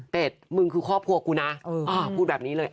มึงคือครอบครัวกูนะพูดแบบนี้เลย